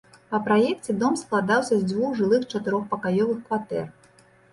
Па праекце дом складаўся з дзвюх жылых чатырохпакаёвых кватэр.